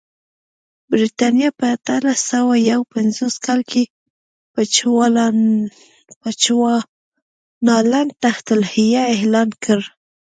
برېټانیا په اتلس سوه یو پنځوس کال کې بچوانالنډ تحت الحیه اعلان کړ.